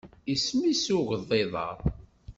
Isem-is i ugḍiḍ-a?